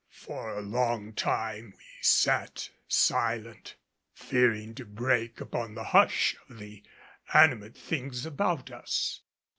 For a long time we sat silent, fearing to break upon the hush of the animate things about us.